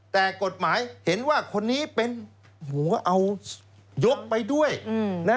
แต่กฎหมายเห็นว่าคนนี้เป็นหัวเอายกไปด้วยนะ